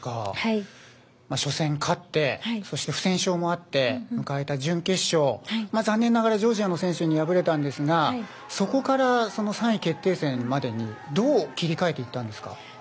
初戦勝って不戦勝もあって迎えた準決勝残念ながらジョージアの選手に敗れたんですがそこから３位決定戦までにどう切り替えていったんですか？